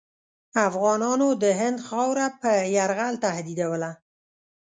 افغانانو د هند خاوره په یرغل تهدیدوله.